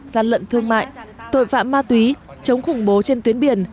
gian lận thương mại tội phạm ma túy chống khủng bố trên tuyến biển